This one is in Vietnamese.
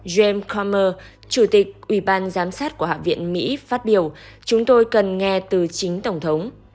james kommer chủ tịch ủy ban giám sát của hạ viện mỹ phát biểu chúng tôi cần nghe từ chính tổng thống